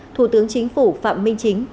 thủ tướng chính phủ phạm minh chính